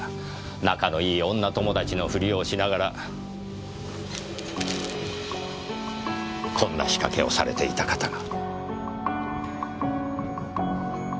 仲のいい女友達のフリをしながらこんな仕掛けをされていた方が。